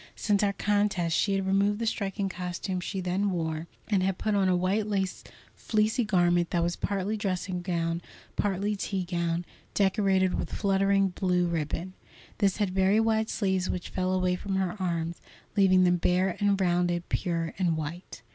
Since our contest she had removed the striking costume she then wore, and had put on a white lace fleecy garment that was partly dressing gown, partly tea gown, decorated with fluttering blue ribbon. This had very wide sleeves which fell away from her arms, leaving them bare and rounded, pure and white.